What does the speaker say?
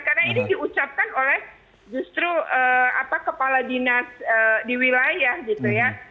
karena ini diucapkan oleh justru kepala dinas di wilayah gitu ya